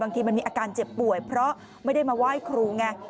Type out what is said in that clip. บางทีมันมีอาการเจ็บป่วยเพราะไม่ได้มาไหว้ครูไง